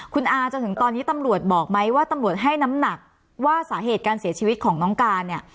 คุณอาจนถึงตอนนี้ตำรวจบอกไหมว่าตำรวจให้น้ำหนักว่าสาเหตุการเสียชีวิตของน้องการเนี่ย